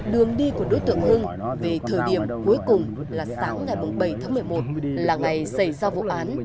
đường đi của đối tượng hưng về thời điểm cuối cùng là sáng ngày bảy tháng một mươi một là ngày xảy ra vụ án